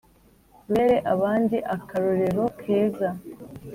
Rubere abandi akarorero keza